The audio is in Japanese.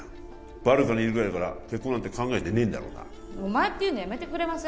バルカにいるぐらいだから結婚なんて考えてねえんだろうなお前っていうのやめてくれません？